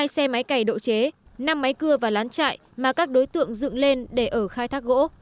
hai xe máy cày độ chế năm máy cưa và lán chạy mà các đối tượng dựng lên để ở khai thác gỗ